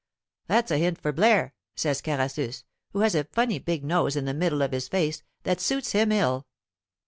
"That's a hint for Blaire," says Carassus, who has a funny big nose in the middle of his face that suits him ill.